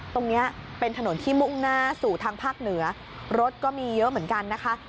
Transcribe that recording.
ตรงนี้เป็นถนนที่มุ่งหน้าสู่ทางภาคเหนือรถก็มีเยอะเหมือนกันนะคะ